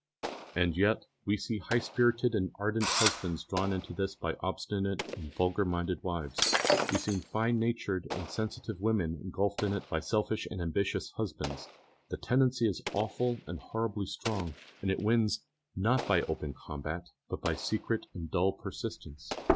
And yet we see high spirited and ardent husbands drawn into this by obstinate and vulgar minded wives. We see fine natured and sensitive women engulfed in it by selfish and ambitious husbands. The tendency is awfully and horribly strong, and it wins, not by open combat, but by secret and dull persistence.